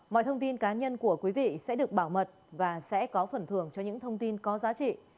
mọi thông tin cá nhân của quý vị sẽ được bảo mật và sẽ có phần thưởng cho những thông tin có giá trị